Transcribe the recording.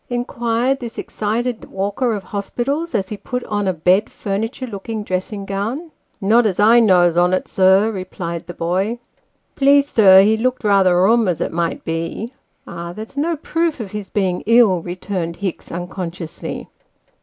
inquired this excited walker of hospitals, as he put on a bod furniture looking dressing gown. " Not as I knows on, sir," replied the boy. " Please, sir, he looked rather rum, as it might be." "Ah, that's no proof of his being ill," returned Hicks, uncon sciously.